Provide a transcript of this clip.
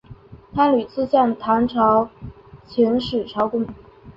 他屡次向唐朝遣使朝贡。